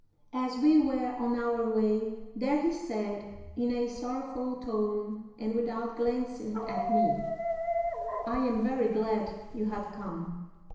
As we were on our way there he said, in a sorrowful tone and without glancing at me: "'I am very glad you have come.